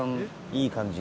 いい感じ。